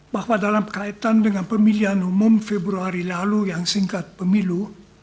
bahwa dalam kaitan dengan pemilihan umum februari lalu yang singkat pemilu